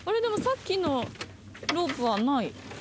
でもさっきのロープはない。